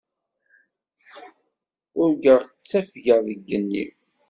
Urgaɣ ttafgeɣ deg yigenni.